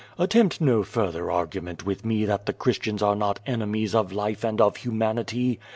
Attempt no further argument with me that the Christians are not enemies of life and of human ity.